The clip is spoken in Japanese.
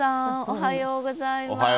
おはようございます。